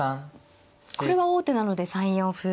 これは王手なので３四歩。